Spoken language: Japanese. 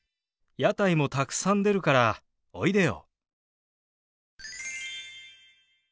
屋台もたくさん出るからおいでよ。